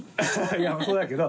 いやそうだけど。